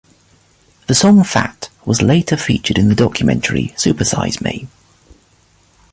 The song "Fat" was later featured in the documentary "Super Size Me".